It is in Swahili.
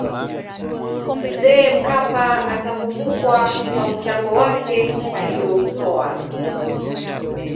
mzee mkapa atakumbukwa kwa mchango wake aliyoutoa